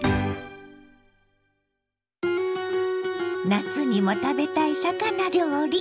夏にも食べたい魚料理。